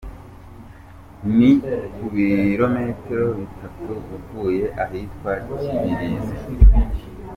Ni ku birometero bitatu uvuye ahitwa Kibirizi.